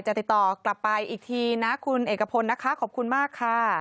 ติดต่อกลับไปอีกทีนะคุณเอกพลนะคะขอบคุณมากค่ะ